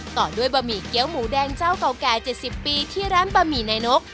ต่อด้วยบะหมี่เกี้ยวหมูแดงเจ้าเก่าแก่๗๐ปีที่ร้านบะหมี่นายนก